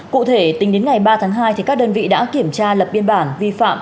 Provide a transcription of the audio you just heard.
cụ thể tính đến ngày ba tháng hai các đơn vị đã kiểm tra lập biên bản vi phạm